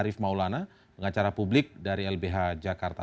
arief maulana pengacara publik dari lbh jakarta